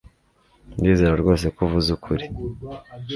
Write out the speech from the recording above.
Ndizera rwose ko uvuze ukuri